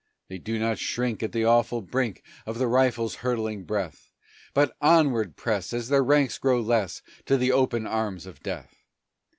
They do not shrink at the awful brink Of the rifle's hurtling breath, But onward press, as their ranks grow less, To the open arms of death!